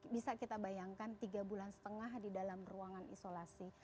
bisa kita bayangkan tiga bulan setengah di dalam ruangan isolasi